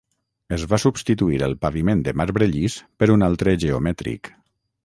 Es va substituir el paviment de marbre llis per un altre geomètric.